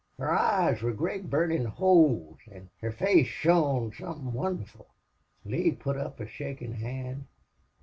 Her eyes wor great burnin' holes an' her face shone somethin' wonderful. "Lee put up a shakin' hand.